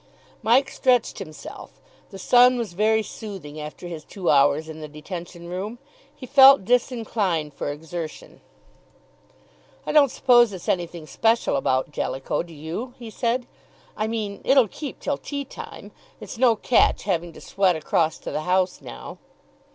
Mike stretched himself; the sun was very soothing after his two hours in the detention room; he felt disinclined for exertion. "I don't suppose it's anything special about Jellicoe, do you?" he said. "I mean, it'll keep till tea time; it's no catch having to sweat across to the house now."